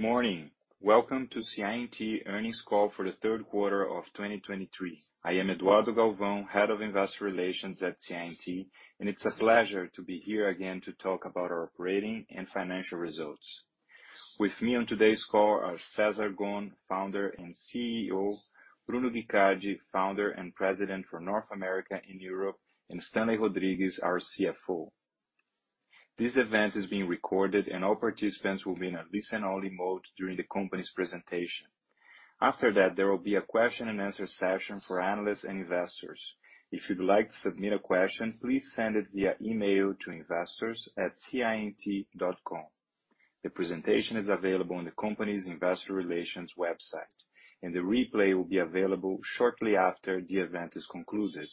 Good morning. Welcome to CI&T Earnings Call for the third quarter of 2023. I am Eduardo Galvão, Head of Investor Relations at CI&T, and it's a pleasure to be here again to talk about our operating and financial results. With me on today's call are Cesar Gon, Founder and CEO, Bruno Guicardi, Founder and President for North America and Europe, and Stanley Rodrigues, our CFO. This event is being recorded, and all participants will be in a listen-only mode during the company's presentation. After that, there will be a question and answer session for analysts and investors. If you'd like to submit a question, please send it via email to investors@ciandt.com. The presentation is available on the company's investor relations website, and the replay will be available shortly after the event is concluded.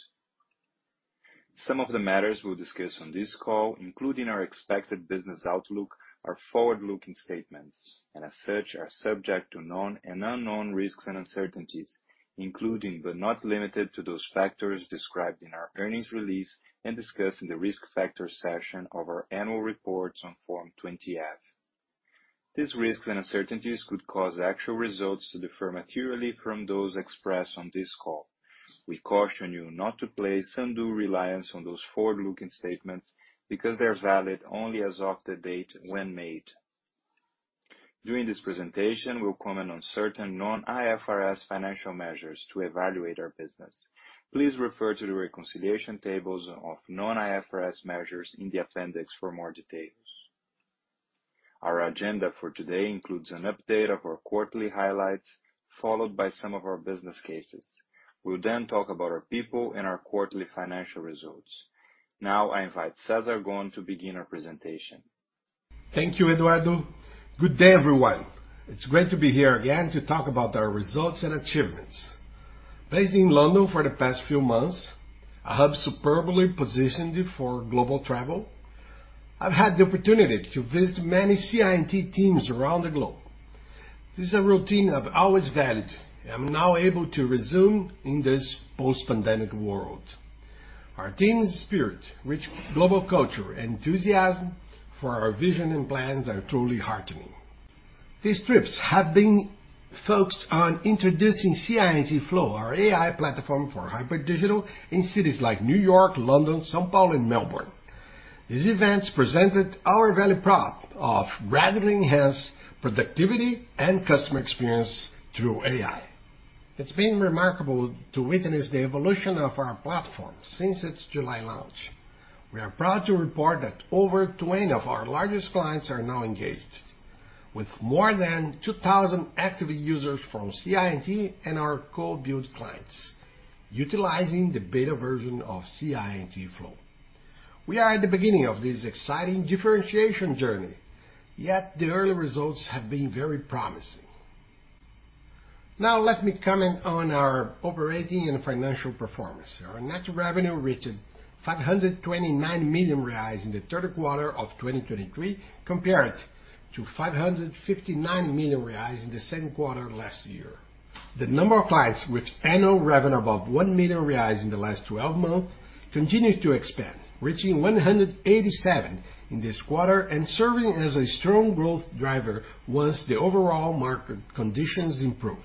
Some of the matters we'll discuss on this call, including our expected business outlook, are forward-looking statements and as such, are subject to known and unknown risks and uncertainties, including, but not limited to, those factors described in our earnings release and discussed in the Risk Factors section of our annual reports on Form 20-F. These risks and uncertainties could cause actual results to differ materially from those expressed on this call. We caution you not to place undue reliance on those forward-looking statements because they're valid only as of the date when made. During this presentation, we'll comment on certain non-IFRS financial measures to evaluate our business. Please refer to the reconciliation tables of non-IFRS measures in the appendix for more details. Our agenda for today includes an update of our quarterly highlights, followed by some of our business cases. We'll then talk about our people and our quarterly financial results. Now, I invite Cesar Gon to begin our presentation. Thank you, Eduardo. Good day, everyone. It's great to be here again to talk about our results and achievements. Based in London for the past few months, a hub superbly positioned for global travel, I've had the opportunity to visit many CI&T teams around the globe. This is a routine I've always valued, and I'm now able to resume in this post-pandemic world. Our team's spirit, rich global culture, and enthusiasm for our vision and plans are truly heartening. These trips have been focused on introducing CI&T Flow, our AI platform for hybrid digital in cities like New York, London, São Paulo, and Melbourne. These events presented our value prop of radically enhanced productivity and customer experience through AI. It's been remarkable to witness the evolution of our platform since its July launch. We are proud to report that over 20 of our largest clients are now engaged, with more than 2,000 active users from CI&T and our co-build clients utilizing the beta version of CI&T Flow. We are at the beginning of this exciting differentiation journey, yet the early results have been very promising. Now, let me comment on our operating and financial performance. Our net revenue reached 529 million reais in the third quarter of 2023, compared to 559 million reais in the second quarter of last year. The number of clients with annual revenue above 1 million reais in the last twelve months continued to expand, reaching 187 in this quarter and serving as a strong growth driver once the overall market conditions improve.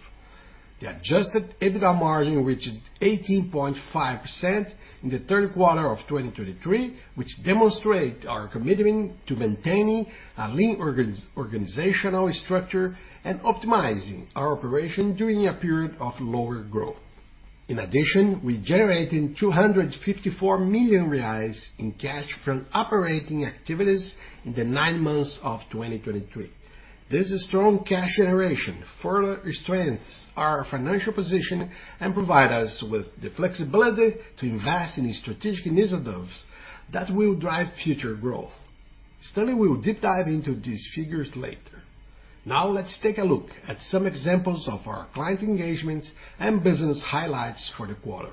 The Adjusted EBITDA margin reached 18.5% in the third quarter of 2023, which demonstrate our commitment to maintaining a lean organizational structure and optimizing our operation during a period of lower growth. In addition, we generated 254 million reais in cash from operating activities in the nine months of 2023. This strong cash generation further strengthens our financial position and provide us with the flexibility to invest in strategic initiatives that will drive future growth. Stanley will deep dive into these figures later. Now, let's take a look at some examples of our client engagements and business highlights for the quarter.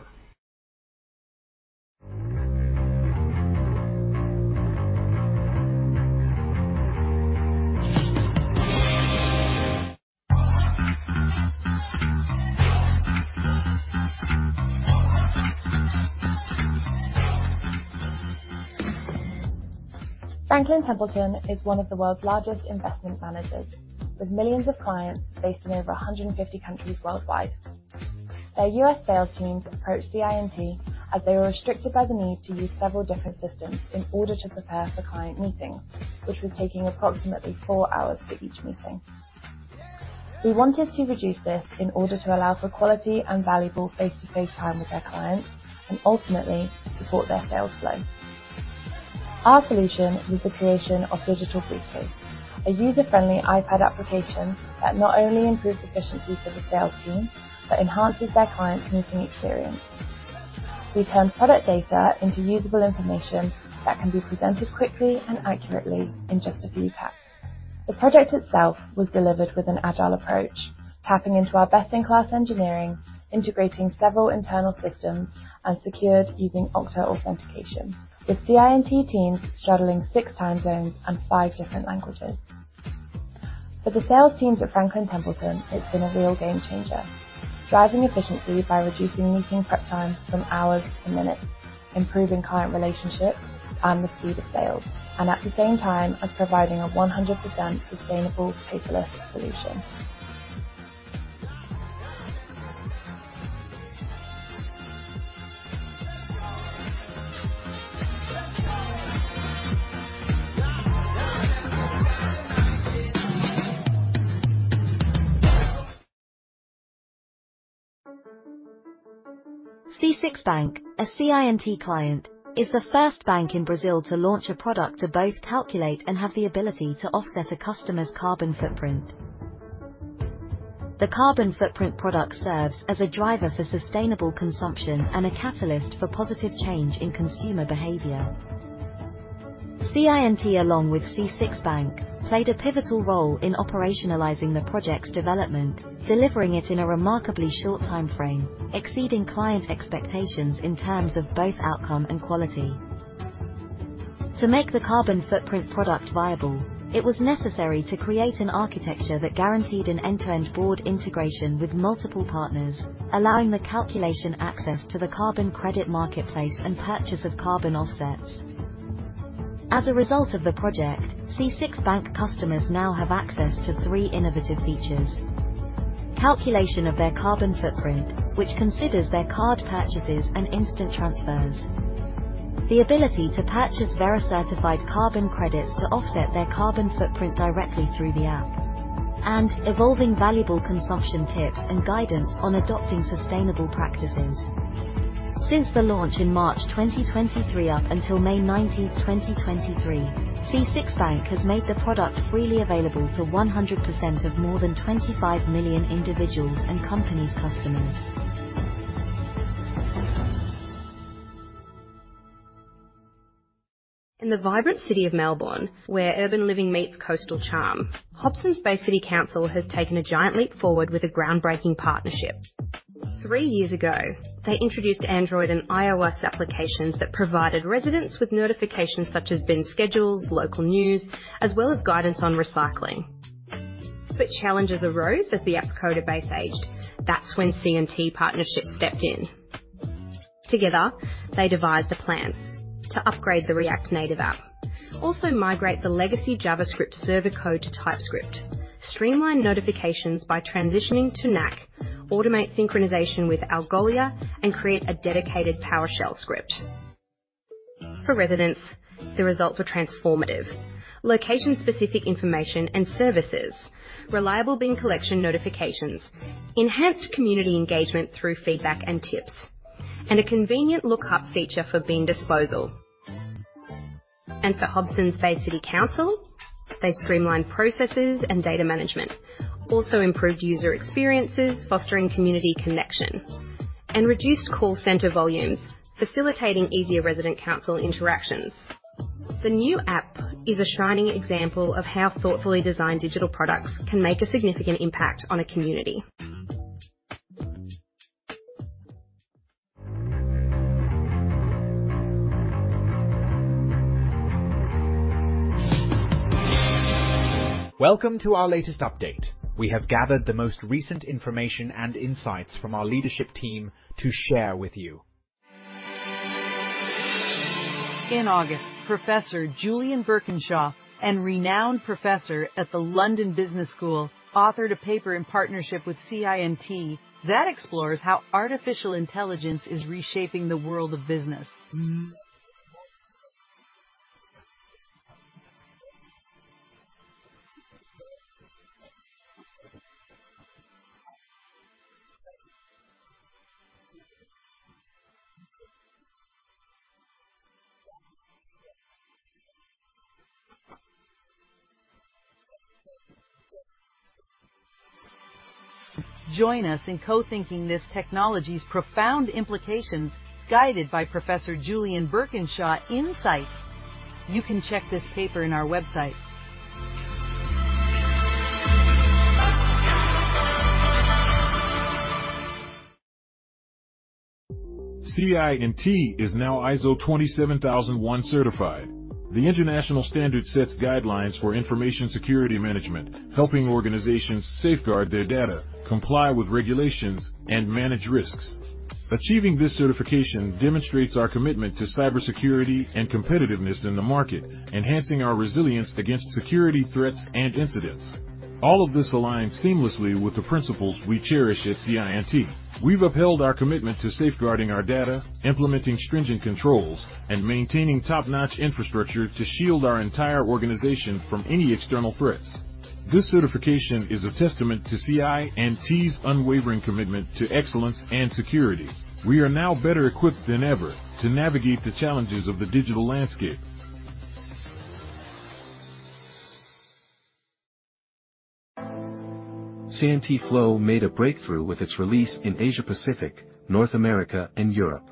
Franklin Templeton is one of the world's largest investment managers, with millions of clients based in over 150 countries worldwide. Their US sales teams approached CI&T as they were restricted by the need to use several different systems in order to prepare for client meetings, which was taking approximately four hours for each meeting. We wanted to reduce this in order to allow for quality and valuable face-to-face time with their clients and ultimately support their sales flow. Our solution was the creation of Digital Briefcase, a user-friendly iPad application that not only improves efficiency for the sales team, but enhances their client's meeting experience. We turn product data into usable information that can be presented quickly and accurately in just a few taps. The project itself was delivered with an agile approach, tapping into our best-in-class engineering, integrating several internal systems, and secured using Okta authentication, with CI&T teams straddling 6 time zones and 5 different languages. For the sales teams at Franklin Templeton, it's been a real game changer, driving efficiency by reducing meeting prep time from hours to minutes, improving client relationships and the speed of sales, and at the same time as providing a 100% sustainable paperless solution. C6 Bank, a CI&T client, is the first bank in Brazil to launch a product to both calculate and have the ability to offset a customer's carbon footprint. The carbon footprint product serves as a driver for sustainable consumption and a catalyst for positive change in consumer behavior. CI&T, along with C6 Bank, played a pivotal role in operationalizing the project's development, delivering it in a remarkably short timeframe, exceeding client expectations in terms of both outcome and quality. To make the carbon footprint product viable, it was necessary to create an architecture that guaranteed an end-to-end broad integration with multiple partners, allowing the calculation access to the carbon credit marketplace and purchase of carbon offsets. As a result of the project, C6 Bank customers now have access to three innovative features: calculation of their carbon footprint, which considers their card purchases and instant transfers, the ability to purchase Verra-certified carbon credits to offset their carbon footprint directly through the app, and evolving valuable consumption tips and guidance on adopting sustainable practices. Since the launch in March 2023 up until May 19, 2023, C6 Bank has made the product freely available to 100% of more than 25 million individuals and companies customers. In the vibrant city of Melbourne, where urban living meets coastal charm, Hobsons Bay City Council has taken a giant leap forward with a groundbreaking partnership. Three years ago, they introduced Android and iOS applications that provided residents with notifications such as bin schedules, local news, as well as guidance on recycling. But challenges arose as the app's code base aged. That's when CI&T's partnership stepped in. Together, they devised a plan to upgrade the React Native app, migrate the legacy JavaScript server code to TypeScript, streamline notifications by transitioning to Knock, automate synchronization with Algolia, and create a dedicated PowerShell script. For residents, the results were transformative: location-specific information and services, reliable bin collection notifications, enhanced community engagement through feedback and tips, and a convenient lookup feature for bin disposal. For Hobsons Bay City Council, they've streamlined processes and data management, also improved user experiences, fostering community connection, and reduced call center volumes, facilitating easier resident-council interactions. The new app is a shining example of how thoughtfully designed digital products can make a significant impact on a community. Welcome to our latest update. We have gathered the most recent information and insights from our leadership team to share with you. In August, Professor Julian Birkinshaw, a renowned professor at the London Business School, authored a paper in partnership with CI&T that explores how artificial intelligence is reshaping the world of business. Join us in co-thinking this technology's profound implications, guided by Professor Julian Birkinshaw's insights. You can check this paper on our website. CI&T is now ISO 27001 certified. The international standard sets guidelines for information security management, helping organizations safeguard their data, comply with regulations, and manage risks. Achieving this certification demonstrates our commitment to cybersecurity and competitiveness in the market, enhancing our resilience against security threats and incidents. All of this aligns seamlessly with the principles we cherish at CI&T. We've upheld our commitment to safeguarding our data, implementing stringent controls, and maintaining top-notch infrastructure to shield our entire organization from any external threats. This certification is a testament to CI&T's unwavering commitment to excellence and security. We are now better equipped than ever to navigate the challenges of the digital landscape. CI&T Flow made a breakthrough with its release in Asia Pacific, North America, and Europe.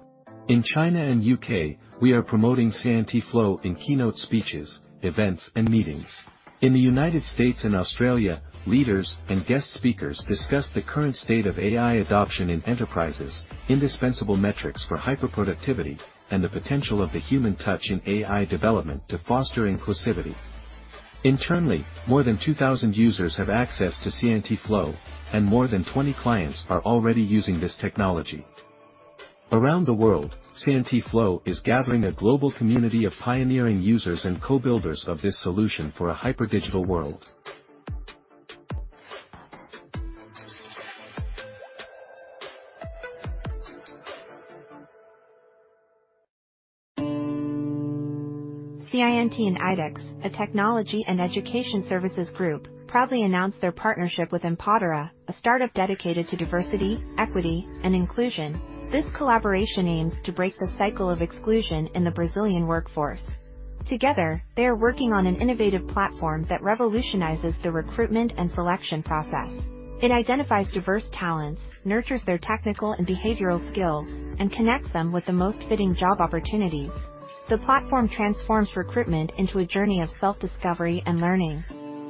In China and U.K., we are promoting CI&T Flow in keynote speeches, events, and meetings. In the United States and Australia, leaders and guest speakers discussed the current state of AI adoption in enterprises, indispensable metrics for hyperproductivity, and the potential of the human touch in AI development to foster inclusivity.... Internally, more than 2,000 users have access to CI&T Flow, and more than 20 clients are already using this technology. Around the world, CI&T Flow is gathering a global community of pioneering users and co-builders of this solution for a hyper digital world. CI&T and Yduqs, a technology and education services group, proudly announce their partnership with Empodera, a startup dedicated to diversity, equity, and inclusion. This collaboration aims to break the cycle of exclusion in the Brazilian workforce. Together, they are working on an innovative platform that revolutionizes the recruitment and selection process. It identifies diverse talents, nurtures their technical and behavioral skills, and connects them with the most fitting job opportunities. The platform transforms recruitment into a journey of self-discovery and learning.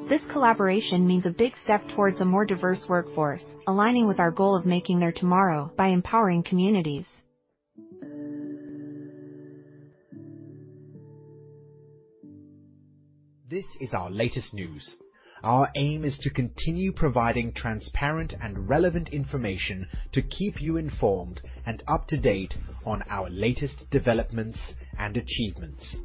This collaboration means a big step towards a more diverse workforce, aligning with our goal of making their tomorrow by empowering communities. This is our latest news. Our aim is to continue providing transparent and relevant information to keep you informed and up-to-date on our latest developments and achievements.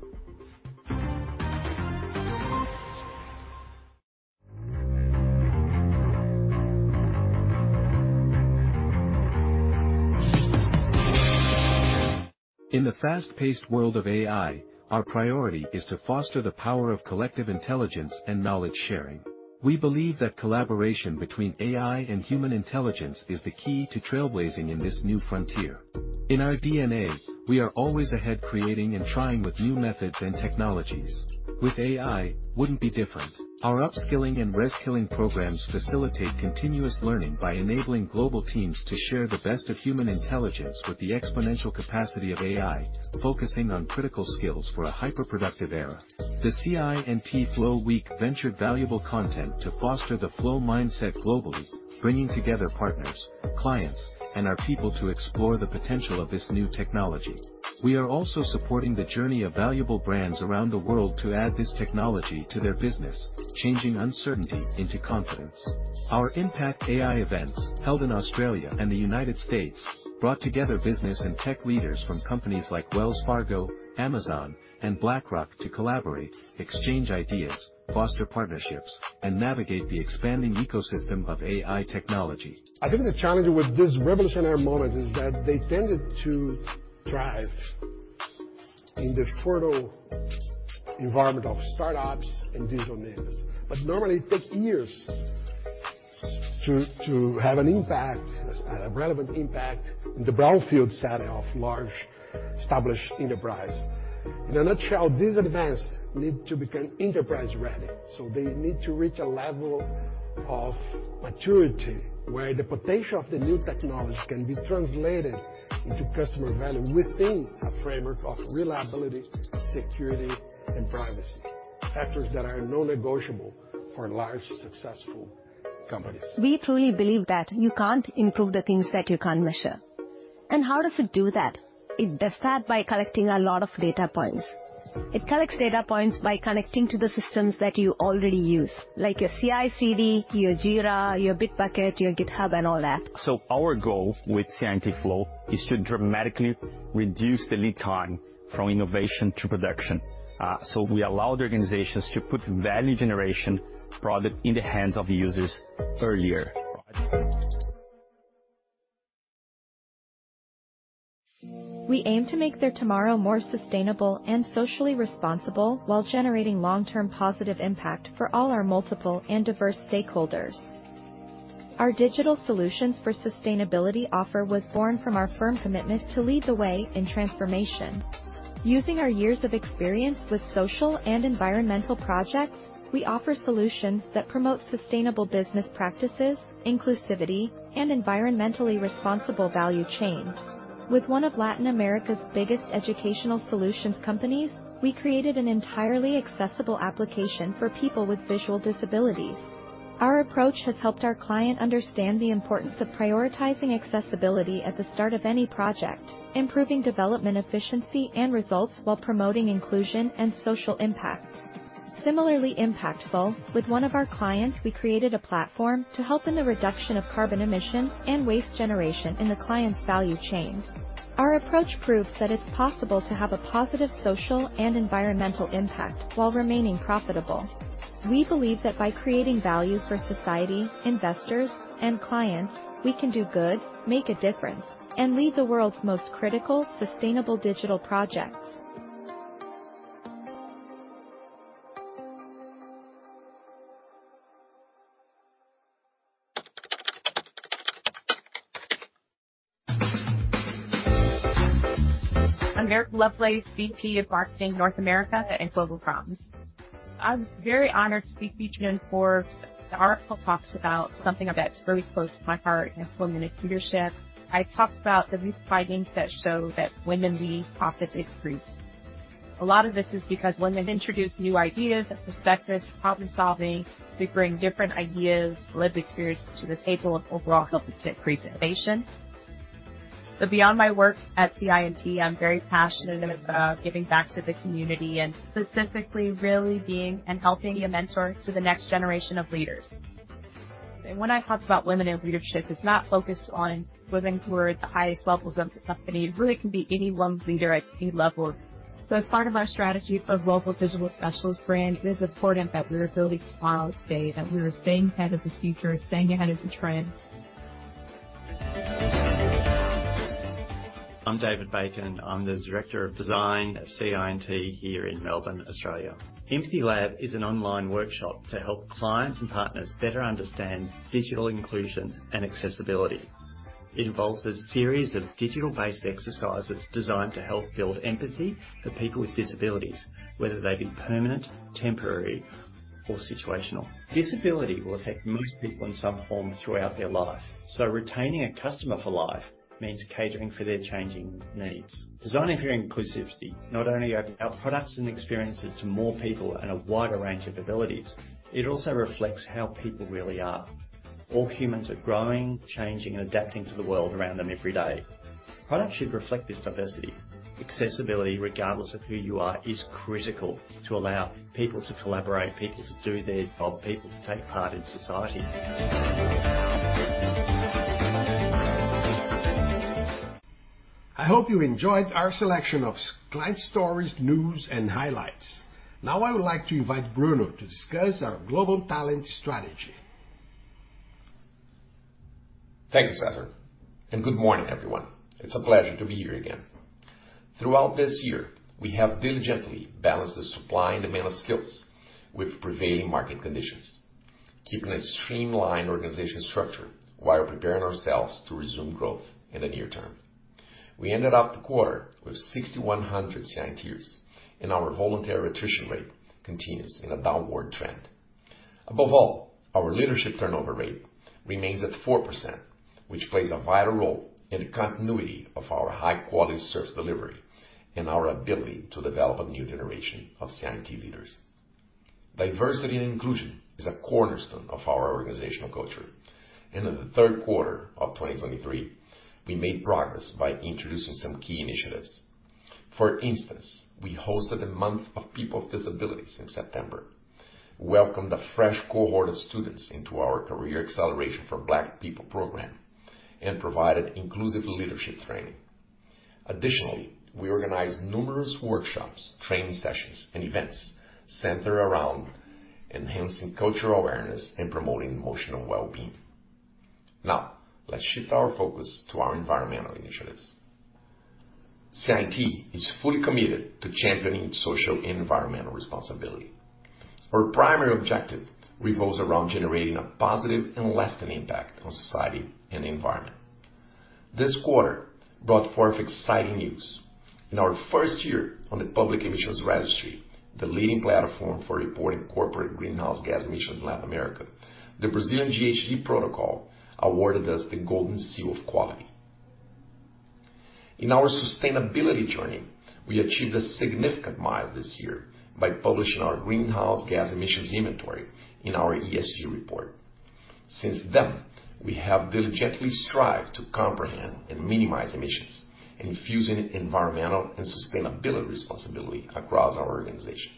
In the fast-paced world of AI, our priority is to foster the power of collective intelligence and knowledge sharing. We believe that collaboration between AI and human intelligence is the key to trailblazing in this new frontier. In our DNA, we are always ahead, creating and trying with new methods and technologies. With AI, wouldn't be different. Our upskilling and reskilling programs facilitate continuous learning by enabling global teams to share the best of human intelligence with the exponential capacity of AI, focusing on critical skills for a hyper-productive era. The CI&T Flow Week ventured valuable content to foster the Flow mindset globally, bringing together partners, clients, and our people to explore the potential of this new technology. We are also supporting the journey of valuable brands around the world to add this technology to their business, changing uncertainty into confidence. Our Impact AI events, held in Australia and the United States, brought together business and tech leaders from companies like Wells Fargo, Amazon, and BlackRock to collaborate, exchange ideas, foster partnerships, and navigate the expanding ecosystem of AI technology. I think the challenge with this revolutionary moment is that they tended to thrive in the fertile environment of startups and digital natives, but normally take years to have an impact, a relevant impact, in the brownfield setting of large, established enterprise. In a nutshell, these events need to become enterprise-ready, so they need to reach a level of maturity where the potential of the new technologies can be translated into customer value within a framework of reliability, security, and privacy. Factors that are non-negotiable for large, successful companies. We truly believe that you can't improve the things that you can't measure. And how does it do that? It does that by collecting a lot of data points. It collects data points by connecting to the systems that you already use, like your CI/CD, your Jira, your Bitbucket, your GitHub, and all that. Our goal with CI&T Flow is to dramatically reduce the lead time from innovation to production. We allow the organizations to put value generation product in the hands of the users earlier. We aim to make their tomorrow more sustainable and socially responsible while generating long-term positive impact for all our multiple and diverse stakeholders. Our digital solutions for sustainability offer was born from our firm commitment to lead the way in transformation. Using our years of experience with social and environmental projects, we offer solutions that promote sustainable business practices, inclusivity, and environmentally responsible value chains. With one of Latin America's biggest educational solutions companies, we created an entirely accessible application for people with visual disabilities. Our approach has helped our client understand the importance of prioritizing accessibility at the start of any project, improving development, efficiency, and results while promoting inclusion and social impact. Similarly impactful, with one of our clients, we created a platform to help in the reduction of carbon emissions and waste generation in the client's value chain. Our approach proves that it's possible to have a positive social and environmental impact while remaining profitable. We believe that by creating value for society, investors, and clients, we can do good, make a difference, and lead the world's most critical, sustainable digital projects. I'm Erica Lovelace, VP of Marketing, North America and Global Accounts. I was very honored to be featured in Forbes. The article talks about something that's very close to my heart, and it's women in leadership. I talked about the new findings that show that women lead, profits increase. A lot of this is because women introduce new ideas, perspectives, problem-solving. They bring different ideas, lived experiences to the table, and overall help to increase innovation.... So beyond my work at CI&T, I'm very passionate about giving back to the community and specifically really being and helping a mentor to the next generation of leaders. And when I talk about women in leadership, it's not focused on women who are at the highest levels of the company. It really can be any one leader at any level. As part of our strategy of Global Digital Specialist brand, it is important that we are building tomorrow today, that we are staying ahead of the future, staying ahead of the trends. I'm David Bacon. I'm the Director of Design at CI&T here in Melbourne, Australia. Empathy Lab is an online workshop to help clients and partners better understand digital inclusion and accessibility. It involves a series of digital-based exercises designed to help build empathy for people with disabilities, whether they be permanent, temporary, or situational. Disability will affect most people in some form throughout their life, so retaining a customer for life means catering for their changing needs. Designing for inclusivity not only open up products and experiences to more people and a wider range of abilities, it also reflects how people really are. All humans are growing, changing, and adapting to the world around them every day. Products should reflect this diversity. Accessibility, regardless of who you are, is critical to allow people to collaborate, people to do their job, people to take part in society. I hope you enjoyed our selection of client stories, news, and highlights. Now, I would like to invite Bruno to discuss our global talent strategy. Thank you, Cesar, and good morning, everyone. It's a pleasure to be here again. Throughout this year, we have diligently balanced the supply and demand of skills with prevailing market conditions, keeping a streamlined organizational structure while preparing ourselves to resume growth in the near term. We ended up the quarter with 6,100 CI&Ters, and our voluntary attrition rate continues in a downward trend. Above all, our leadership turnover rate remains at 4%, which plays a vital role in the continuity of our high-quality service delivery and our ability to develop a new generation of CI&T leaders. Diversity and inclusion is a cornerstone of our organizational culture, and in the third quarter of 2023, we made progress by introducing some key initiatives. For instance, we hosted a Month of People with Disabilities in September, welcomed a fresh cohort of students into our Career Acceleration for Black People program, and provided inclusive leadership training. Additionally, we organized numerous workshops, training sessions, and events centered around enhancing cultural awareness and promoting emotional well-being. Now, let's shift our focus to our environmental initiatives. CI&T is fully committed to championing social and environmental responsibility. Our primary objective revolves around generating a positive and lasting impact on society and the environment. This quarter brought forth exciting news. In our first year on the Public Emissions Registry, the leading platform for reporting corporate greenhouse gas emissions in Latin America, the Brazilian GHG Protocol awarded us the Golden Seal of Quality. In our sustainability journey, we achieved a significant milestone this year by publishing our greenhouse gas emissions inventory in our ESG report. Since then, we have diligently strived to comprehend and minimize emissions, infusing environmental and sustainability responsibility across our organization.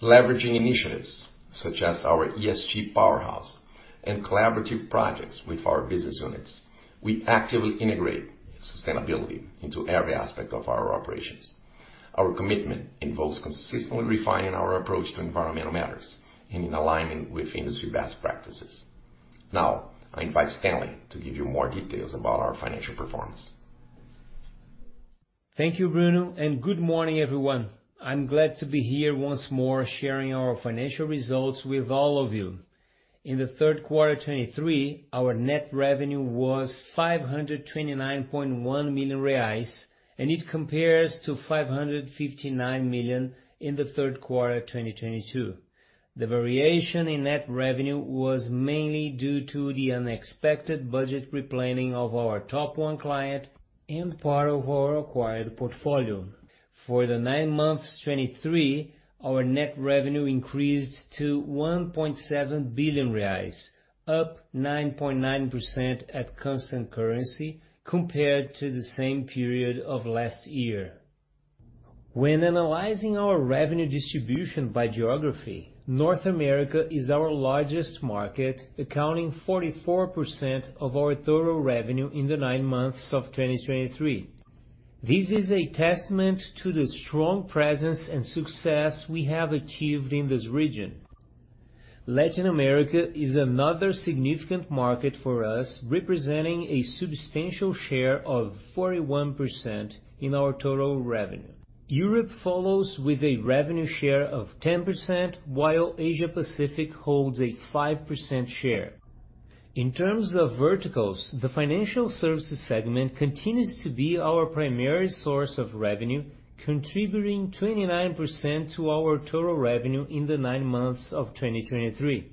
Leveraging initiatives such as our ESG Powerhouse and collaborative projects with our business units, we actively integrate sustainability into every aspect of our operations. Our commitment involves consistently refining our approach to environmental matters and in alignment with industry best practices. Now, I invite Stanley to give you more details about our financial performance. Thank you, Bruno, and good morning, everyone. I'm glad to be here once more, sharing our financial results with all of you. In the third quarter of 2023, our net revenue was 529.1 million reais, and it compares to 559 million in the third quarter of 2022. The variation in net revenue was mainly due to the unexpected budget re-planning of our top one client and part of our acquired portfolio. For the nine months, 2023, our net revenue increased to 1.7 billion reais, up 9.9% at constant currency compared to the same period of last year. When analyzing our revenue distribution by geography, North America is our largest market, accounting 44% of our total revenue in the nine months of 2023. This is a testament to the strong presence and success we have achieved in this region. Latin America is another significant market for us, representing a substantial share of 41% in our total revenue. Europe follows with a revenue share of 10%, while Asia Pacific holds a 5% share. In terms of verticals, the financial services segment continues to be our primary source of revenue, contributing 29% to our total revenue in the nine months of 2023.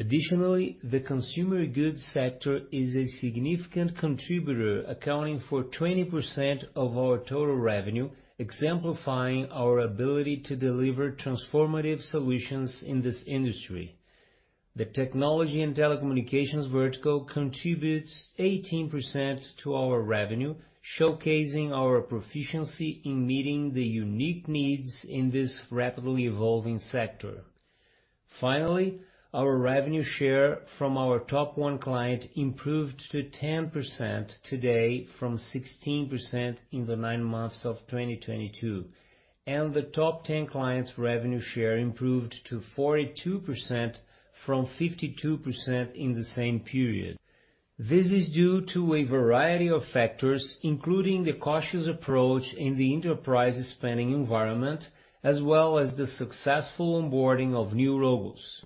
Additionally, the consumer goods sector is a significant contributor, accounting for 20% of our total revenue, exemplifying our ability to deliver transformative solutions in this industry.... The technology and telecommunications vertical contributes 18% to our revenue, showcasing our proficiency in meeting the unique needs in this rapidly evolving sector. Finally, our revenue share from our top 1 client improved to 10% today, from 16% in the nine months of 2022, and the top 10 clients' revenue share improved to 42% from 52% in the same period. This is due to a variety of factors, including the cautious approach in the enterprise spending environment, as well as the successful onboarding of new logos.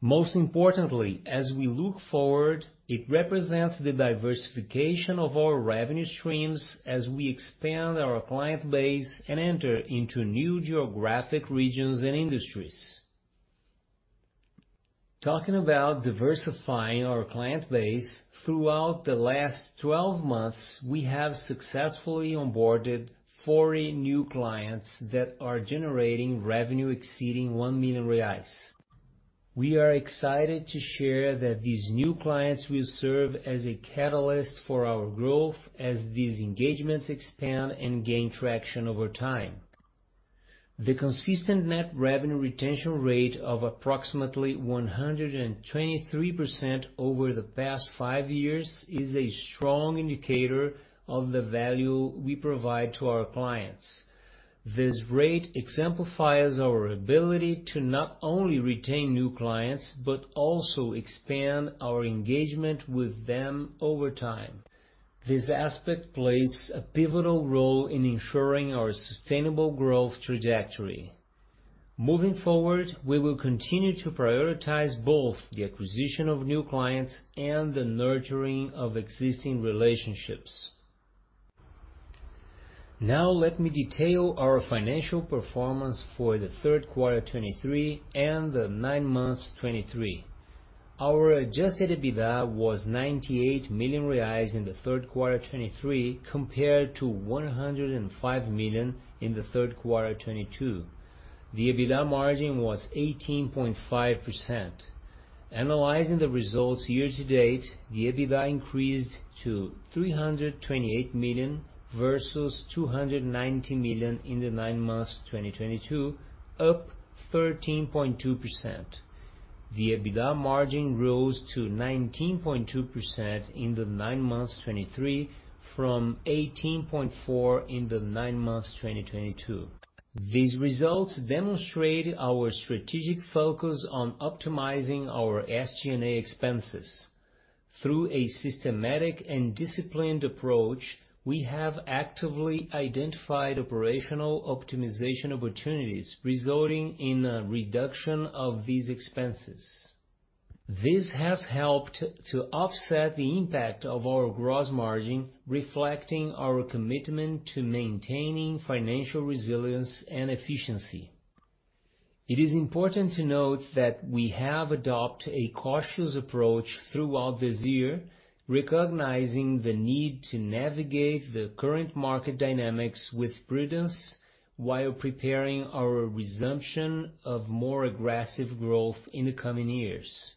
Most importantly, as we look forward, it represents the diversification of our revenue streams as we expand our client base and enter into new geographic regions and industries. Talking about diversifying our client base, throughout the last 12 months, we have successfully onboarded 40 new clients that are generating revenue exceeding 1 million reais. We are excited to share that these new clients will serve as a catalyst for our growth as these engagements expand and gain traction over time. The consistent net revenue retention rate of approximately 123% over the past 5 years is a strong indicator of the value we provide to our clients. This rate exemplifies our ability to not only retain new clients, but also expand our engagement with them over time. This aspect plays a pivotal role in ensuring our sustainable growth trajectory. Moving forward, we will continue to prioritize both the acquisition of new clients and the nurturing of existing relationships. Now, let me detail our financial performance for the third quarter 2023 and the nine months 2023. Our adjusted EBITDA was 98 million reais in the third quarter 2023, compared to 105 million in the third quarter 2022. The EBITDA margin was 18.5%. Analyzing the results year to date, the EBITDA increased to 328 million versus 290 million in the nine months 2022, up 13.2%. The EBITDA margin rose to 19.2% in the nine months 2023, from 18.4% in the nine months 2022. These results demonstrate our strategic focus on optimizing our SG&A expenses. Through a systematic and disciplined approach, we have actively identified operational optimization opportunities, resulting in a reduction of these expenses. This has helped to offset the impact of our gross margin, reflecting our commitment to maintaining financial resilience and efficiency. It is important to note that we have adopt a cautious approach throughout this year, recognizing the need to navigate the current market dynamics with prudence while preparing our resumption of more aggressive growth in the coming years.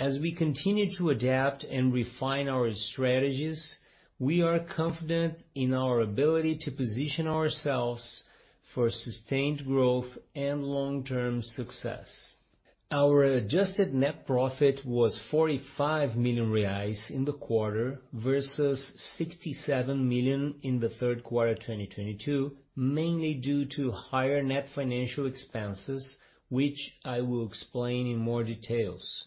As we continue to adapt and refine our strategies, we are confident in our ability to position ourselves for sustained growth and long-term success. Our adjusted net profit was 45 million reais in the quarter versus 67 million in the third quarter 2022, mainly due to higher net financial expenses, which I will explain in more details.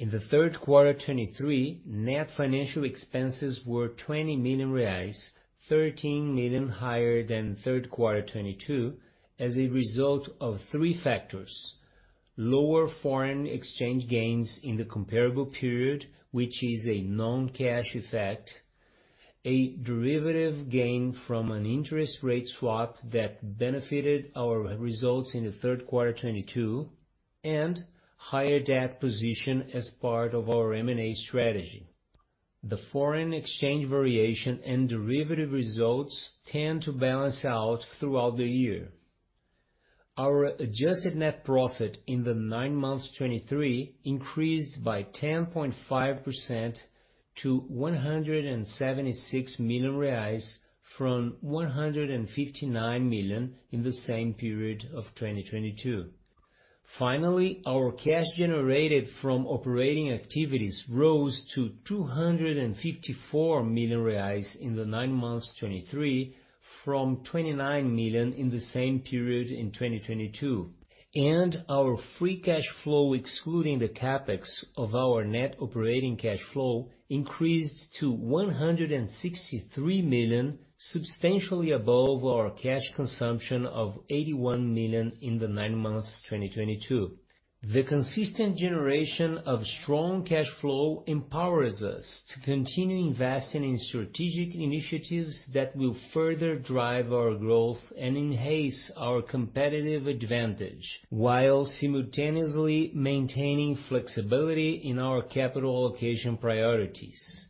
In the third quarter 2023, net financial expenses were 20 million reais, 13 million higher than third quarter 2022, as a result of three factors: lower foreign exchange gains in the comparable period, which is a non-cash effect, a derivative gain from an interest rate swap that benefited our results in the third quarter 2022, and higher debt position as part of our M&A strategy. The foreign exchange variation and derivative results tend to balance out throughout the year. Our adjusted net profit in the nine months 2023 increased by 10.5% to 176 million reais from 159 million in the same period of 2022. Finally, our cash generated from operating activities rose to 254 million reais in the nine months 2023, from 29 million in the same period in 2022, and our free cash flow, excluding the CapEx of our net operating cash flow, increased to 163 million, substantially above our cash consumption of 81 million in the nine months 2022. The consistent generation of strong cash flow empowers us to continue investing in strategic initiatives that will further drive our growth and enhance our competitive advantage, while simultaneously maintaining flexibility in our capital allocation priorities....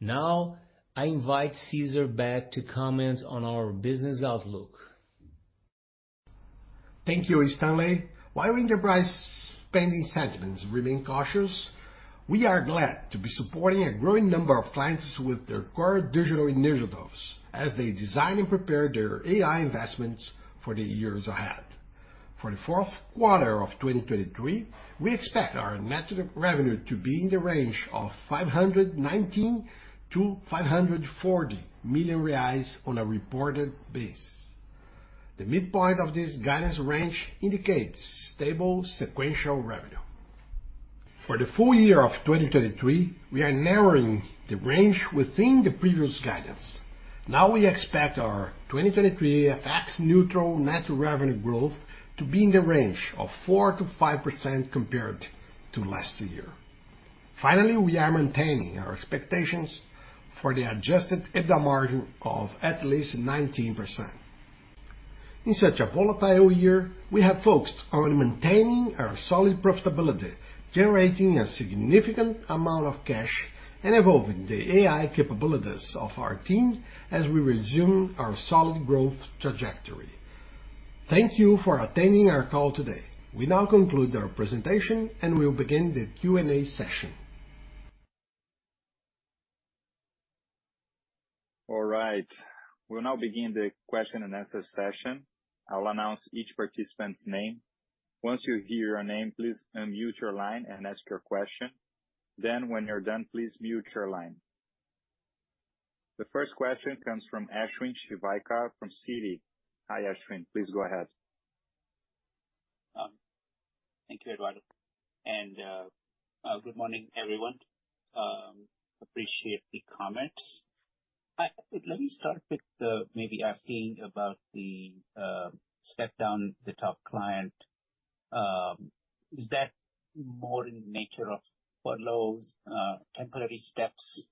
Now, I invite Cesar back to comment on our business outlook. Thank you, Stanley. While enterprise spending sentiments remain cautious, we are glad to be supporting a growing number of clients with their core digital initiatives as they design and prepare their AI investments for the years ahead. For the fourth quarter of 2023, we expect our net revenue to be in the range of 519 million-540 million reais on a reported basis. The midpoint of this guidance range indicates stable sequential revenue. For the full year of 2023, we are narrowing the range within the previous guidance. Now we expect our 2023 FX-neutral net revenue growth to be in the range of 4%-5% compared to last year. Finally, we are maintaining our expectations for the Adjusted EBITDA margin of at least 19%. In such a volatile year, we have focused on maintaining our solid profitability, generating a significant amount of cash, and evolving the AI capabilities of our team as we resume our solid growth trajectory. Thank you for attending our call today. We now conclude our presentation, and we'll begin the Q&A session. All right, we'll now begin the question and answer session. I'll announce each participant's name. Once you hear your name, please unmute your line and ask your question. Then when you're done, please mute your line. The first question comes from Ashwin Shirvaikar from Citi. Hi, Ashwin. Please go ahead. Thank you, Eduardo. Good morning, everyone. Appreciate the comments. Let me start with maybe asking about the step down the top client. Is that more in the nature of furloughs, temporary steps,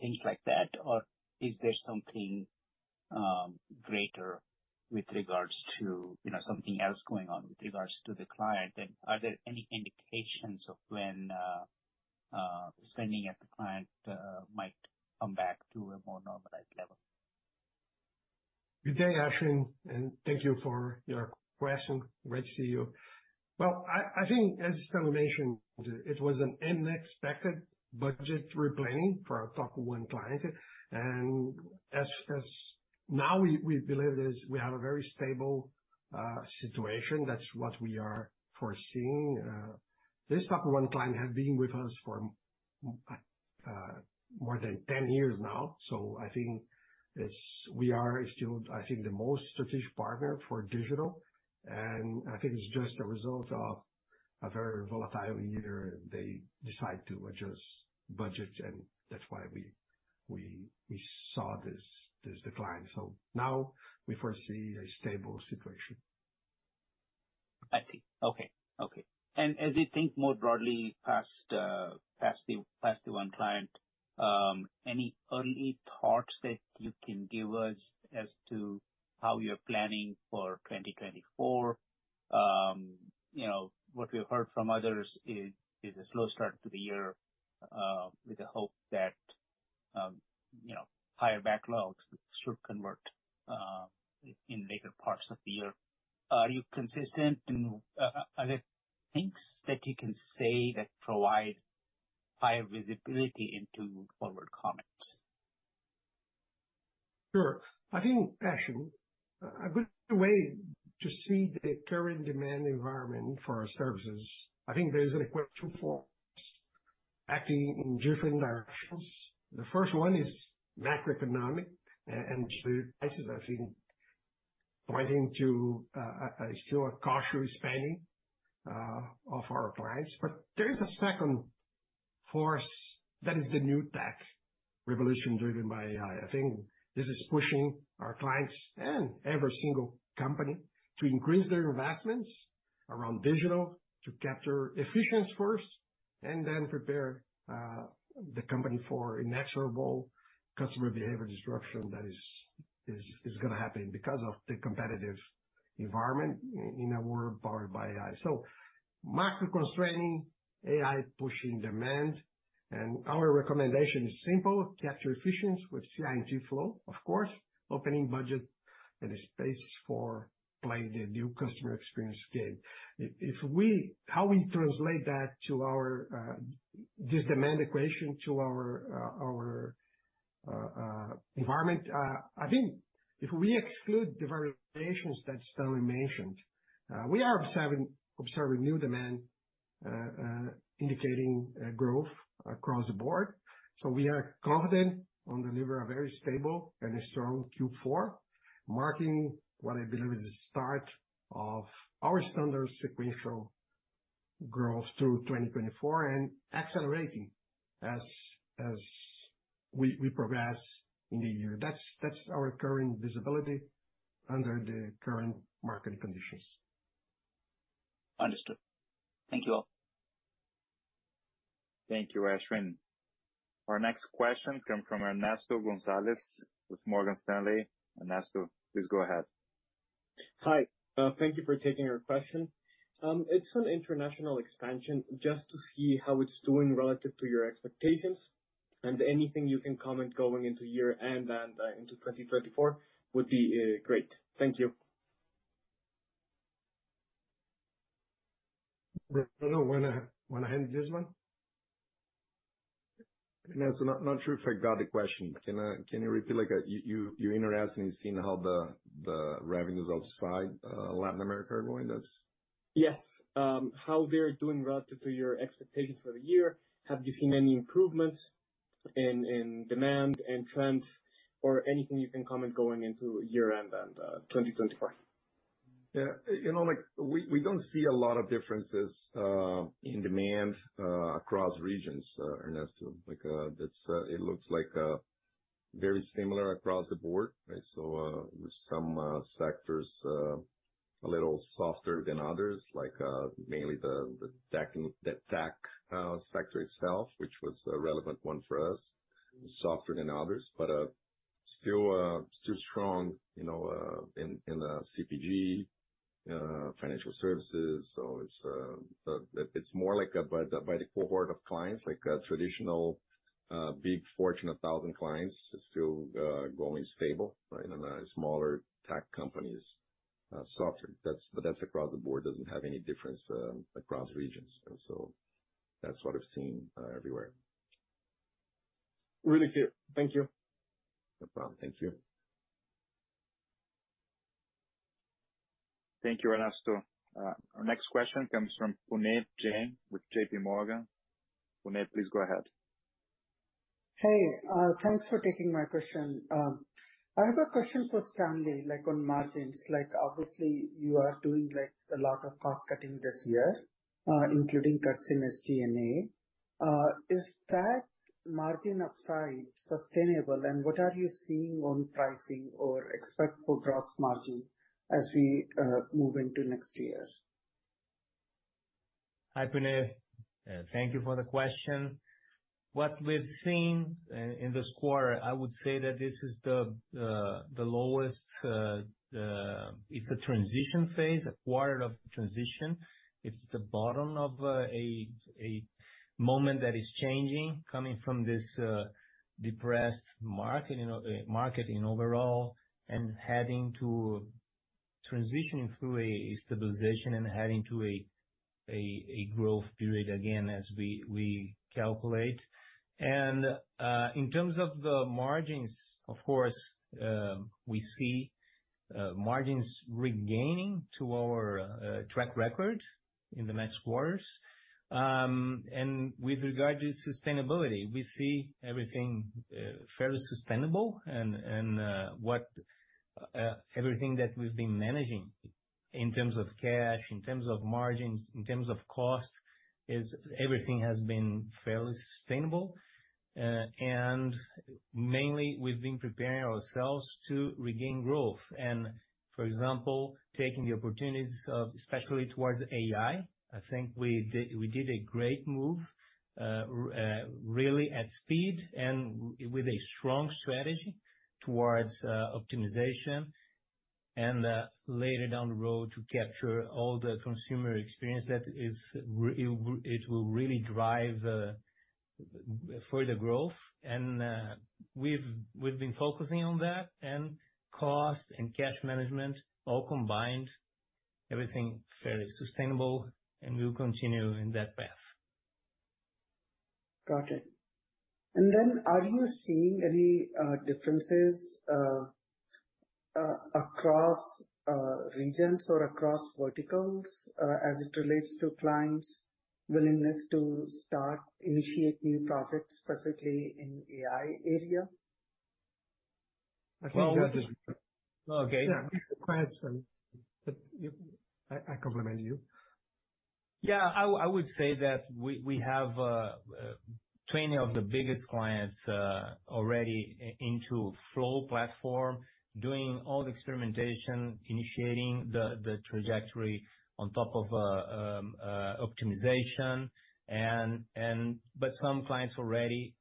things like that? Or is there something greater with regards to, you know, something else going on with regards to the client? And are there any indications of when spending at the client might come back to a more normalized level? Good day, Ashwin, and thank you for your question. Great to see you. Well, I think as Stanley mentioned, it was an unexpected budget re-planning for our top one client. And as now, we believe this, we have a very stable situation. That's what we are foreseeing. This top one client has been with us for more than 10 years now, so I think it's, we are still, I think, the most strategic partner for digital, and I think it's just a result of a very volatile year, and they decide to adjust budget, and that's why we saw this decline. So now we foresee a stable situation. I see. Okay, okay. And as you think more broadly past, past the, past the one client, any early thoughts that you can give us as to how you're planning for 2024? You know, what we've heard from others is a slow start to the year, with the hope that, you know, higher backlogs should convert in later parts of the year. Are you consistent and, are there things that you can say that provide higher visibility into forward comments? Sure. I think, Ashwin, a good way to see the current demand environment for our services, I think there's an equation for acting in different directions. The first one is macroeconomic, and the proxies are feeling, pointing to still a cautious spending of our clients. But there is a second force that is the new tech revolution driven by AI. I think this is pushing our clients and every single company to increase their investments around digital, to capture efficiency first, and then prepare the company for inexorable customer behavior disruption that is gonna happen because of the competitive environment in a world powered by AI. So macro constraining, AI pushing demand, and our recommendation is simple: capture efficiency with CI&T Flow, of course, opening budget and space for playing the new customer experience game. If we how we translate that to our this demand equation to our environment, I think if we exclude the variations that Stanley mentioned, we are observing new demand indicating growth across the board. So we are confident on deliver a very stable and a strong Q4, marking what I believe is the start of our standard sequential growth through 2024 and accelerating as we progress in the year. That's our current visibility under the current market conditions. Understood. Thank you all. Thank you, Ashwin. Our next question comes from Ernesto Gonzalez with Morgan Stanley. Ernesto, please go ahead.... Hi, thank you for taking our question. It's on international expansion, just to see how it's doing relative to your expectations, and anything you can comment going into year-end and into 2024 would be great. Thank you. Bruno, wanna handle this one? Ernesto, I'm not sure if I got the question. Can you repeat? Like, you're interested in seeing how the revenues outside Latin America are going, that's- Yes. How they're doing relative to your expectations for the year? Have you seen any improvements in demand and trends, or anything you can comment going into year-end and 2024? Yeah. You know, like, we don't see a lot of differences in demand across regions, Ernesto. Like, that's it looks like very similar across the board. So, some sectors a little softer than others, like mainly the tech sector itself, which was a relevant one for us, softer than others. But, still strong, you know, in the CPG, financial services. So it's more like by the cohort of clients, like a traditional big Fortune 1000 clients is still going stable, right? And, smaller tech companies softer. That's, but that's across the board, doesn't have any difference across regions. And so that's what I've seen everywhere. Really clear. Thank you. No problem. Thank you. Thank you, Ernesto. Our next question comes from Puneet Jain with J.P. Morgan. Puneet, please go ahead. Hey, thanks for taking my question. I have a question for Stanley, like, on margins. Like, obviously, you are doing, like, a lot of cost cutting this year, including cuts in SG&A. Is that margin upside sustainable, and what are you seeing on pricing or expect for gross margin as we move into next year? Hi, Puneet, thank you for the question. What we've seen in this quarter, I would say that this is the, the lowest, it's a transition phase, a quarter of transition. It's the bottom of, a moment that is changing, coming from this, depressed marketing, marketing overall, and heading to transition through a stabilization and heading to a growth period again, as we calculate. And, in terms of the margins, of course, we see, margins regaining to our, track record in the next quarters. And with regard to sustainability, we see everything, fairly sustainable and, and, what, everything that we've been managing in terms of cash, in terms of margins, in terms of cost, is everything has been fairly sustainable. Mainly, we've been preparing ourselves to regain growth and, for example, taking the opportunities of, especially towards AI. I think we did, we did a great move, really at speed and with a strong strategy towards optimization, and later down the road, to capture all the consumer experience that is, it will really drive further growth. We've been focusing on that, and cost and cash management all combined, everything fairly sustainable, and we'll continue in that path. Got it. And then, are you seeing any differences across regions or across verticals as it relates to clients' willingness to start initiate new projects, specifically in AI area? Well- Okay. Yeah, it's a question, but you... I compliment you. Yeah, I would say that we have 20 of the biggest clients already into Flow platform, doing all the experimentation, initiating the trajectory on top of optimization. And, but some clients already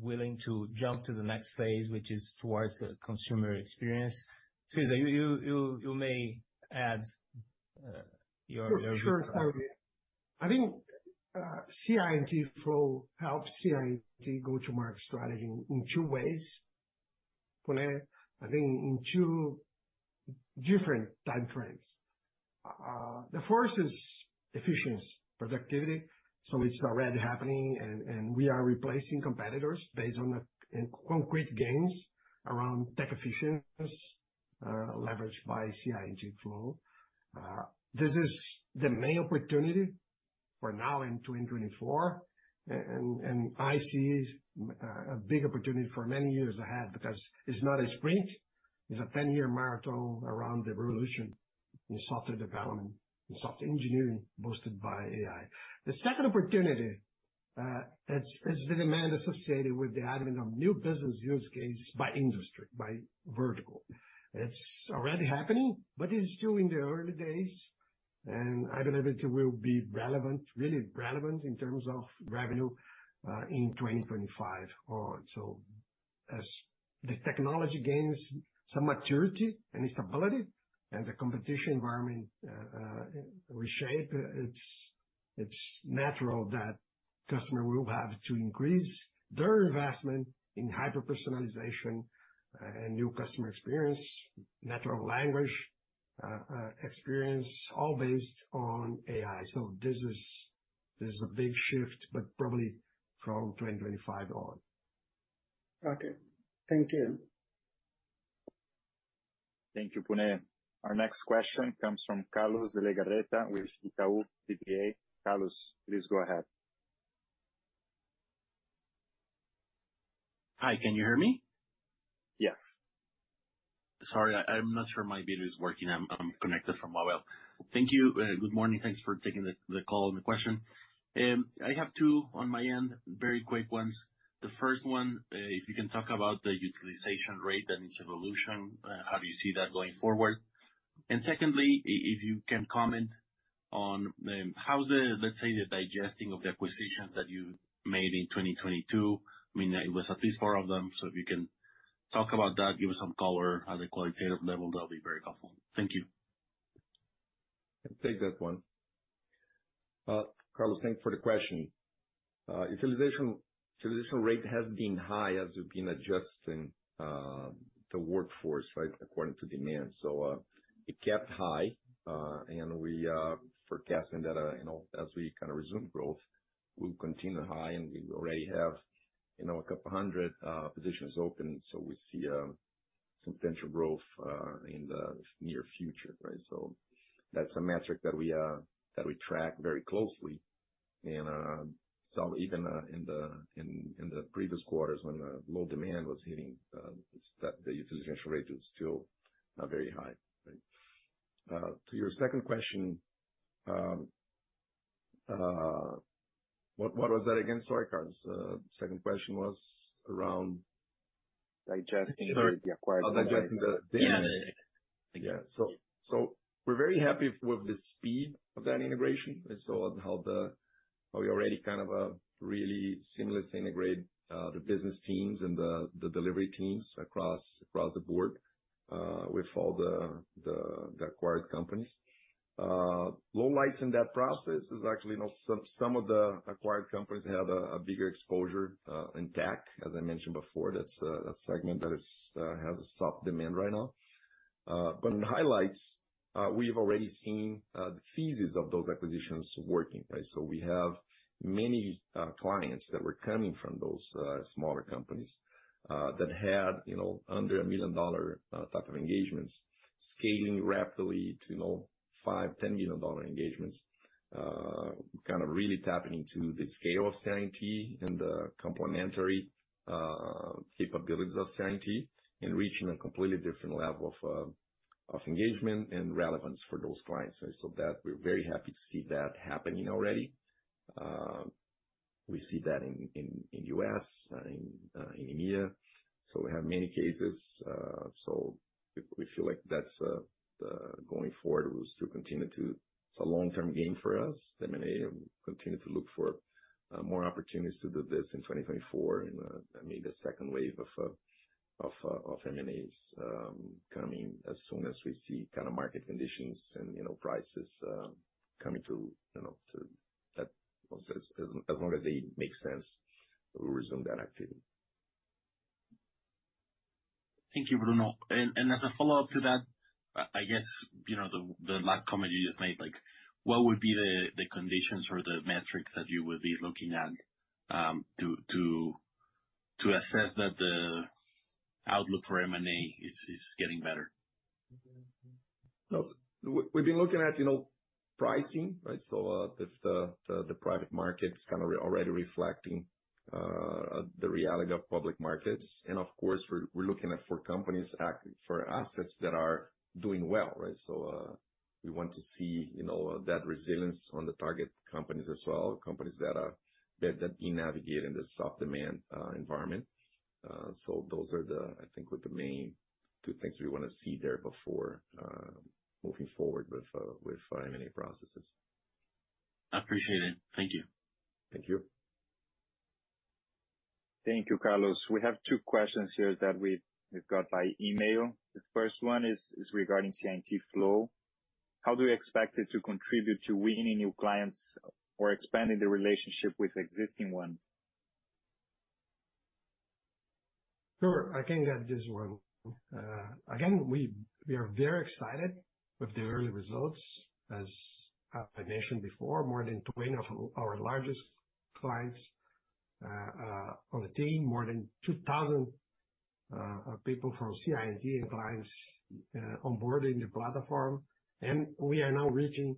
willing to jump to the next phase, which is towards consumer experience. Cesar, you may add your- Sure, sure. I think CI&T Flow helps CI&T go-to-market strategy in two ways, Puneet. I think in two different timeframes. The first is efficiency, productivity. So it's already happening, and we are replacing competitors based on the concrete gains around tech efficiency, leveraged by CI&T Flow. This is the main opportunity for now in 2024, and I see a big opportunity for many years ahead, because it's not a sprint, it's a ten-year marathon around the revolution in software development and software engineering boosted by AI. The second opportunity, it's the demand associated with the advent of new business use cases by industry, by vertical. It's already happening, but it's still in the early days. ... I believe it will be relevant, really relevant in terms of revenue, in 2025 or so. As the technology gains some maturity and stability and the competition environment reshape, it's natural that customer will have to increase their investment in hyper-personalization and new customer experience, natural language experience, all based on AI. So this is a big shift, but probably from 2025 on. Okay. Thank you. Thank you, Puneet. Our next question comes from Carlos de Legarreta with Itaú BBA. Carlos, please go ahead. Hi, can you hear me? Yes. Sorry, I'm not sure my video is working. I'm connected from mobile. Thank you. Good morning. Thanks for taking the call and the question. I have two on my end, very quick ones. The first one, if you can talk about the utilization rate and its evolution, how do you see that going forward? And secondly, if you can comment on, how's the, let's say, the digesting of the acquisitions that you made in 2022. I mean, it was at least four of them, so if you can talk about that, give us some color at the qualitative level, that'll be very helpful. Thank you. I'll take that one. Carlos, thank you for the question. Utilization rate has been high as we've been adjusting the workforce, right, according to demand. So, it kept high, and we are forecasting that, you know, as we kind of resume growth, will continue high, and we already have, you know, 200 positions open. So we see some potential growth in the near future, right? So that's a metric that we track very closely. So even in the previous quarters, when the low demand was hitting, that the utilization rate was still very high, right? To your second question, what was that again? Sorry, Carlos. Second question was around- Digesting the acquired- Oh, digesting the- Yeah. Yeah. So, so we're very happy with the speed of that integration, and so we already kind of really seamlessly integrate the business teams and the delivery teams across the board with all the acquired companies. Lowlights in that process is actually, you know, some of the acquired companies have a bigger exposure in tech. As I mentioned before, that's a segment that has a soft demand right now. But in highlights, we've already seen the thesis of those acquisitions working, right? So we have many clients that were coming from those smaller companies that had, you know, under a $1 million type of engagements, scaling rapidly to, you know, $5-$10 million engagements. Kind of really tapping into the scale of Nearsure and the complementary capabilities of Nearsure, and reaching a completely different level of engagement and relevance for those clients. So that, we're very happy to see that happening already. We see that in U.S., in India. So we have many cases, so we feel like that's going forward, we still continue to... It's a long-term game for us. M&A, we continue to look for more opportunities to do this in 2024. And, I mean, the second wave of M&As coming as soon as we see kind of market conditions and, you know, prices coming to, you know, to that... As long as they make sense, we'll resume that activity. Thank you, Bruno. And as a follow-up to that, I guess, you know, the last comment you just made, like, what would be the conditions or the metrics that you would be looking at to assess that the outlook for M&A is getting better? Well, we've been looking at, you know, pricing, right? So, if the private market is kind of already reflecting the reality of public markets, and of course, we're looking at for companies, for assets that are doing well, right? So, we want to see, you know, that resilience on the target companies as well, companies that can navigate in the soft demand environment. So those are the, I think we're the main two things we want to see there before moving forward with M&A processes. Appreciate it. Thank you. Thank you. Thank you, Carlos. We have two questions here that we've got by email. The first one is regarding CI&T Flow. How do you expect it to contribute to winning new clients or expanding the relationship with existing ones? Sure, I can get this one. Again, we are very excited with the early results. As I mentioned before, more than 20 of our largest clients on the team, more than 2,000 people from CI&T and clients onboarding the platform. And we are now reaching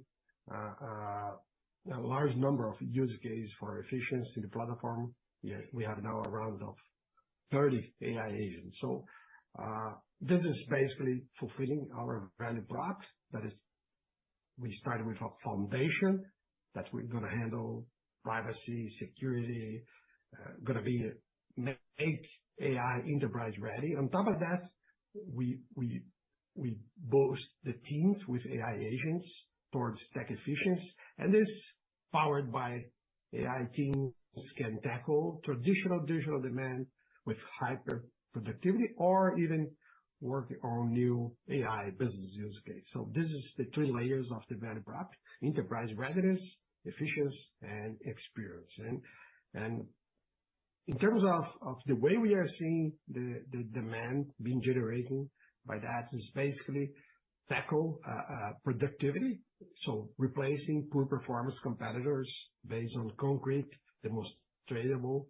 a large number of use cases for efficiency in the platform. We have now around of 30 AI agents. So this is basically fulfilling our value prop. That is, we started with a foundation.... that we're gonna handle privacy, security, gonna be make AI enterprise ready. On top of that, we boost the teams with AI agents towards tech efficiency. And this, powered by AI teams, can tackle traditional digital demand with hyperproductivity or even work on new AI business use case. So this is the three layers of the value prop: enterprise readiness, efficiency, and experience. And in terms of the way we are seeing the demand being generated by that is basically tackle productivity. So replacing poor performance competitors based on concrete, the most tangible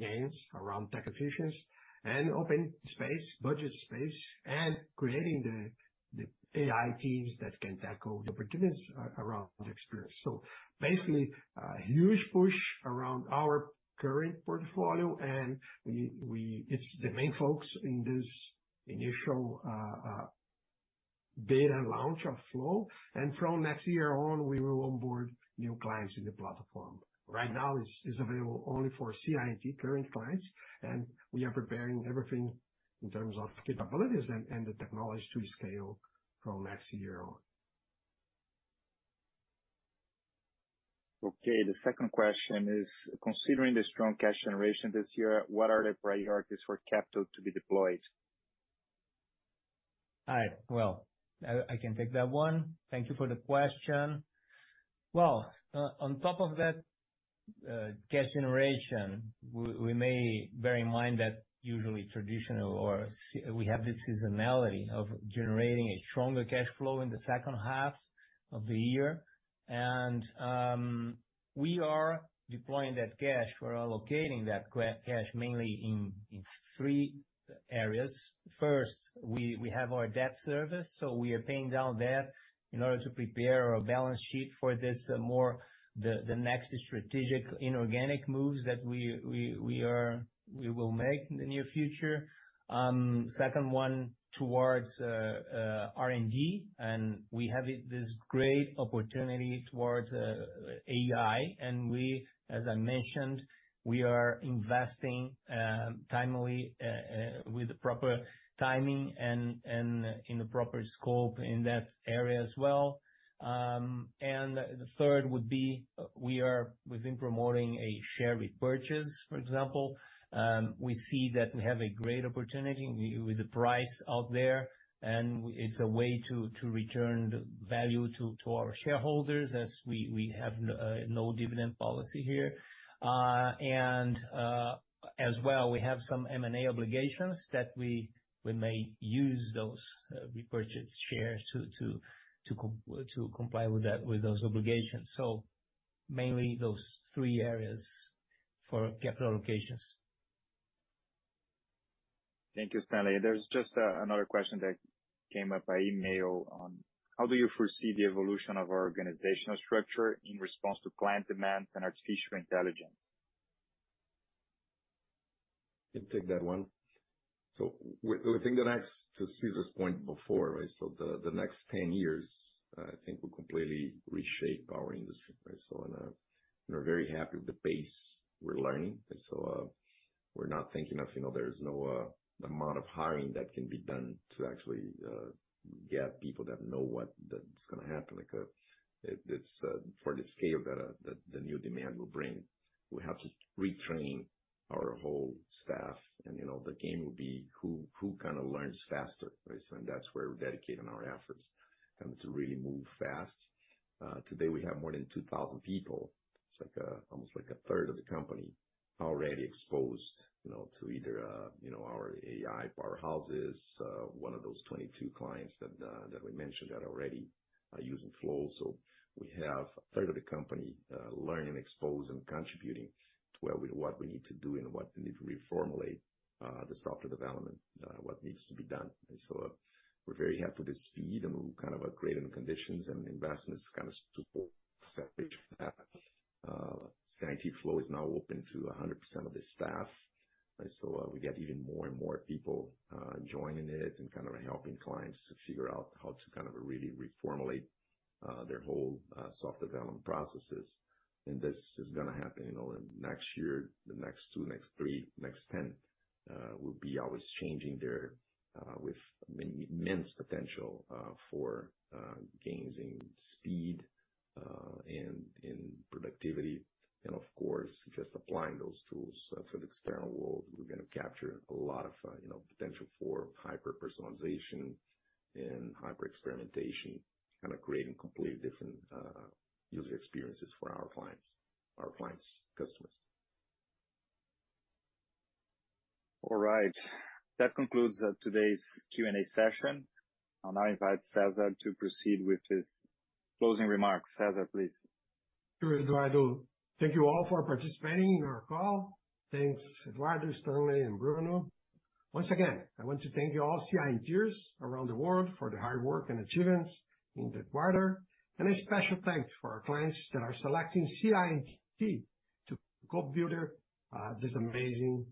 gains around tech efficiency and open space, budget space, and creating the AI teams that can tackle the opportunities around experience. So basically, a huge push around our current portfolio, and it's the main focus in this initial beta launch of Flow. And from next year on, we will onboard new clients in the platform. Right now, it's available only for CI&T current clients, and we are preparing everything in terms of capabilities and the technology to scale from next year on. Okay, the second question is: Considering the strong cash generation this year, what are the priorities for capital to be deployed? Well, I can take that one. Thank you for the question. Well, on top of that, cash generation, we may bear in mind that usually we have this seasonality of generating a stronger cash flow in the second half of the year. And, we are deploying that cash, we're allocating that cash mainly in three areas. First, we have our debt service, so we are paying down debt in order to prepare our balance sheet for the next strategic inorganic moves that we will make in the near future. Second one, towards R&D, and we have this great opportunity towards AI. And we, as I mentioned, we are investing timely with the proper timing and in the proper scope in that area as well. And the third would be, we've been promoting a share repurchase, for example. We see that we have a great opportunity with the price out there, and it's a way to return the value to our shareholders as we have no dividend policy here. And as well, we have some M&A obligations that we may use those repurchase shares to comply with those obligations. So mainly those three areas for capital allocations. Thank you, Stanley. There's just another question that came up by email on: How do you foresee the evolution of our organizational structure in response to client demands and artificial intelligence? I can take that one. So we, we think the next, to Cesar's point before, right? So the, the next 10 years, I think will completely reshape our industry, right? So, and, we're very happy with the pace we're learning. And so, we're not thinking of, you know, there's no amount of hiring that can be done to actually get people that know what that's gonna happen. Like, it's for the scale that the, the new demand will bring, we have to retrain our whole staff, and, you know, the game will be who, who kind of learns faster, right? So that's where we're dedicating our efforts and to really move fast. Today, we have more than 2,000 people. It's like, almost like a third of the company already exposed, you know, to either, you know, our AI powerhouses, one of those 22 clients that, that we mentioned are already, are using Flow. So we have a third of the company, learning, exposed and contributing to where we, what we need to do and what we need to reformulate, the software development, what needs to be done. And so we're very happy with the speed, and we're kind of upgrading the conditions and investments kind of support that. CI&T Flow is now open to 100% of the staff, and so, we get even more and more people, joining it and kind of helping clients to figure out how to kind of really reformulate, their whole, software development processes. This is gonna happen, you know, in next year, the next 2, next 3, next 10, will be always changing their, with immense potential for gains in speed and in productivity. Of course, just applying those tools to the external world, we're gonna capture a lot of, you know, potential for hyper-personalization and hyper-experimentation, kind of creating completely different user experiences for our clients, our clients' customers. All right. That concludes today's Q&A session. I'll now invite Cesar to proceed with his closing remarks. Cesar, please. Sure, Eduardo. Thank you all for participating in our call. Thanks, Eduardo, Stanley, and Bruno. Once again, I want to thank you all CI&Ters around the world for the hard work and achievements in the quarter. And a special thank you to our clients that are selecting CI&T to co-build this amazing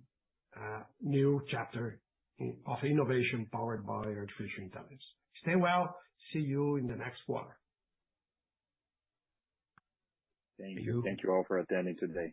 new chapter in of innovation powered by artificial intelligence. Stay well. See you in the next quarter. Thank you. Thank you all for attending today.